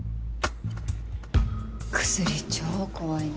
薬超怖いね。